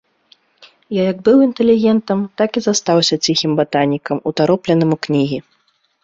Я як быў інтэлігентам, так і застаўся ціхім батанікам, утаропленым у кнігі.